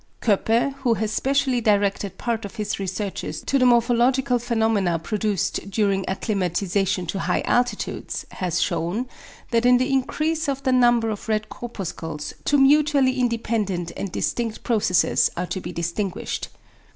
Koeppe, who has specially directed part of his researches to the morphological phenomena produced during acclimatisation to high altitudes, has shewn, that in the increase of the number of red corpuscles two mutually independent and distinct processes are to be distinguished.